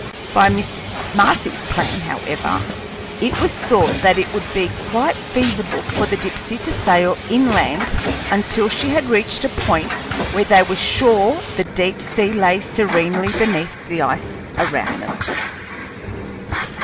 By Mr. Marcy's plan, however, it was thought that it would be quite feasible for the Dipsey to sail inland until she had reached a point where they were sure the deep sea lay serenely beneath the ice around them.